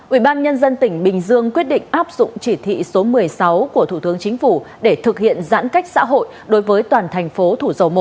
ubnd tỉnh bình dương quyết định áp dụng chỉ thị số một mươi sáu của thủ tướng chính phủ để thực hiện giãn cách xã hội đối với toàn thành phố thủ dầu một